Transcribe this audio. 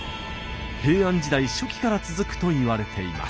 平安時代初期から続くといわれています。